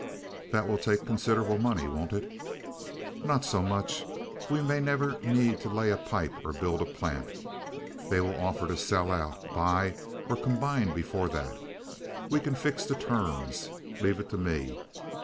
"That will take considerable money, won't it?" "Not so much. We may never need to lay a pipe or build a plant. They will offer to sell out, buy, or combine before that. We can fix the terms. Leave it to me.